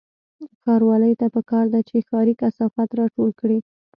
ښاروالۍ ته پکار ده چې ښاري کثافات راټول کړي